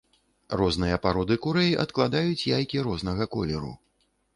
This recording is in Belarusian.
Розныя пароды курэй адкладаюць яйкі рознага колеру.